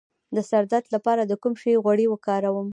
د سر درد لپاره د کوم شي غوړي وکاروم؟